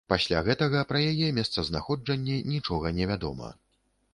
Пасля гэтага пра яе месцазнаходжанне нічога не вядома.